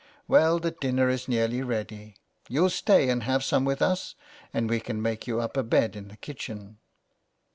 *' Well, the dinner is nearly ready. You'll stay and have some with us, and we can make you up a bed in the kitchen."